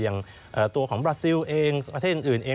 อย่างตัวของบราซิลเองประเทศอื่นเอง